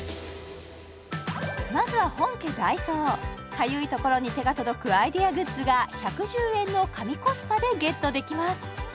かゆいところに手が届くアイデアグッズが１１０円の神コスパでゲットできます